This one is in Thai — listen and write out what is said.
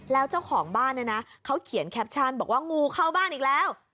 แล้วเจ้าของบ้านเขาเขียนคับชันบอกว่างูเข้าบ้านอีกแล้ว